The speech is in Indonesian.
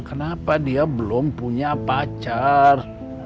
kenapa dia belum punya pacar